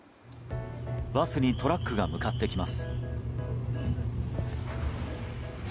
バスにトラックが向かってきます。